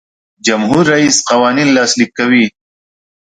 جمهور رئیس قوانین لاسلیک کوي.